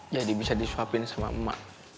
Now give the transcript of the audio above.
jadi bisa disuapin sama emak